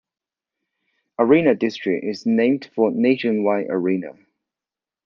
Arena District is named for Nationwide Arena.